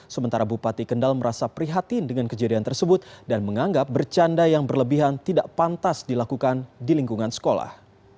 sementara bupati kendal merasa prihatin dengan kejadian tersebut dan menganggap bercanda yang berlebihan tidak pantas dilakukan di lingkungan sekolah